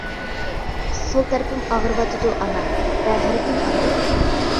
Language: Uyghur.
سول تەرىپىم ئاغرىۋاتىدۇ ئانا ۋە ھەر كۈنى ئاغرىيدۇ.